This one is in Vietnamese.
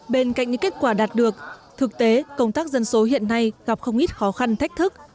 bên cạnh những kết quả đạt được thực tế công tác dân số hiện nay gặp không ít khó khăn thách thức